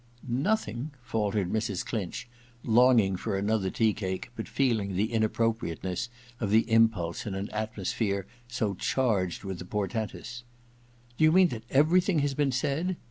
* Nothmg ?' faltered Mrs. Clinch, long ing for another tea cake, but feeling the in appropriateness of the impulse in an atmosphere so charged with the portentous. *Do you mean that everything has been said